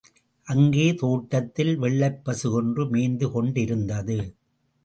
அங்கே தோட்டத்தில் வெள்ளைப்பசு ஒன்று மேய்ந்து கொண்டிருத்தது.